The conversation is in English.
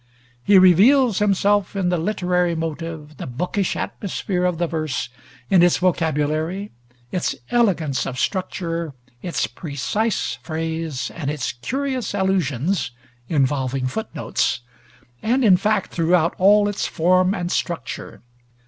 He reveals himself in the literary motive, the bookish atmosphere of the verse, in its vocabulary, its elegance of structure, its precise phrase and its curious allusions (involving footnotes), and in fact, throughout all its form and structure.